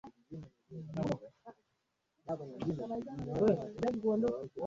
saa chache kabla matokeo ya mwisho kutangazwa